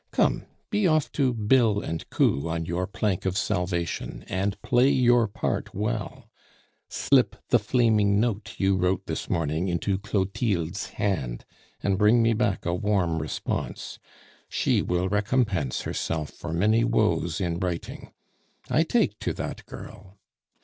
Come, be off to bill and coo on your plank of salvation, and play your part well; slip the flaming note you wrote this morning into Clotilde's hand, and bring me back a warm response. She will recompense herself for many woes in writing. I take to that girl.